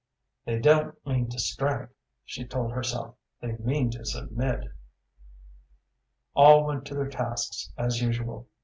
"They don't mean to strike," she told herself. "They mean to submit." All went to their tasks as usual.